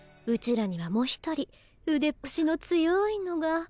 らにはもう一人腕っ節の強いのが。